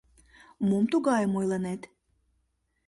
— Мом тугайым ойлынет?